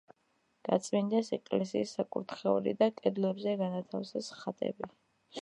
გაწმინდეს ეკლესიის საკურთხეველი და კედლებზე განათავსეს ხატები.